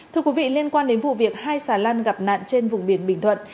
thưa quý vị liên quan đến vụ việc hai xà lan gặp nạn trên vùng biển bình thuận